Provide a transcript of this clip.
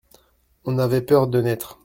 On avait peur de naître.